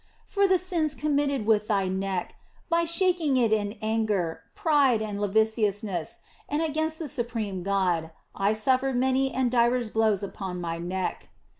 " For the sins committed with thy neck, by shaking it in anger, pride, and lasciviousness, and against the Supreme God, I suffered many and divers blows upon My neck.